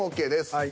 はい。